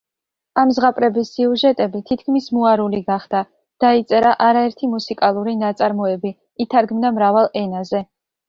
ამ ზღაპრების სიუჟეტები თითქმის მოარული გახდა; დაიწერა არაერთი მუსიკალური ნაწარმოები, ითარგმნა მრავალ ენაზე.